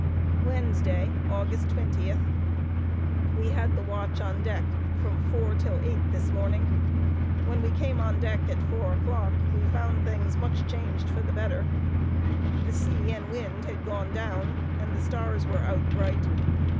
Wednesday, Aug. 20th. We had the watch on deck from four till eight, this morning. When we came on deck at four o'clock, we found things much changed for the better. The sea and wind had gone down, and the stars were out bright.